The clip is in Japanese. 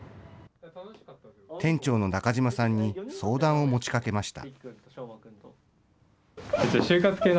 店長の中島さんに相談を持ちかけました。